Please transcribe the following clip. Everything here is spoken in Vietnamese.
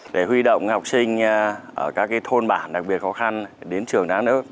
để huy động học sinh ở các thôn bản đặc biệt khó khăn đến trường đáng ước